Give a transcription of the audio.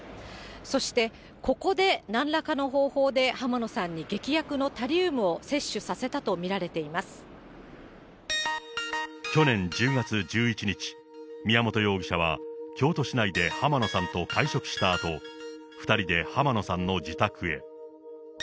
そして、ここでなんらかの方法で浜野さんに劇薬のタリウムを摂取させたと去年１０月１１日、宮本容疑者は京都市内で浜野さんと会食したあと、２人で浜野さんの自宅へ。